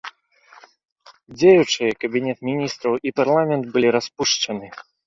Дзеючыя кабінет міністраў і парламент былі распушчаны.